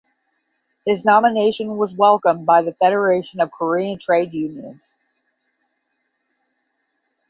His nomination was welcomed by the Federation of Korean Trade Unions.